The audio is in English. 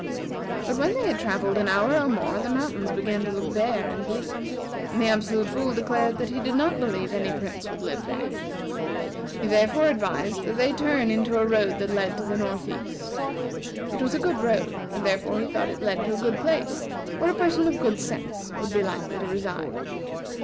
But when they had travelled an hour or more, the mountains began to look bare and bleak, and the Absolute Fool declared that he did not believe any prince would live there. He therefore advised that they turn into a road that led to the north east. It was a good road; and therefore he thought it led to a good place, where a person of good sense would be likely to reside.